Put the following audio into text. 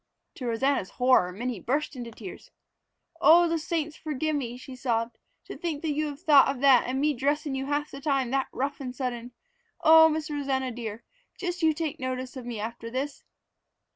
To Rosanna's horror, Minnie burst into tears. "Oh, the saints forgive me!" she sobbed. "To think you have thought of that and me dressin' you half the time that rough and sudden! Oh, Miss Rosanna dear, just you take notice of me after this!"